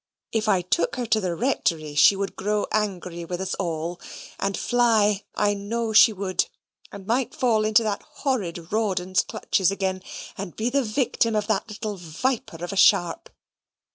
If I took her to the Rectory, she would grow angry with us all, and fly, I know she would; and might fall into that horrid Rawdon's clutches again, and be the victim of that little viper of a Sharp.